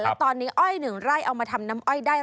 แล้วตอนนี้อ้อยหนึ่งไร่เอามาทำน้ำอ้อยได้